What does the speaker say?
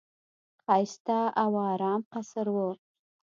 ښایسته او آرام قصر وو.